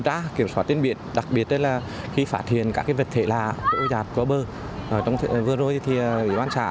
tra kiểm soát trên biển đặc biệt là khi phát hiện các vật thể lạ cỗ giảt bơ vừa rồi thì bỉ bán xã